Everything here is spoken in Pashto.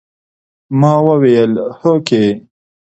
ما وويل هوکې.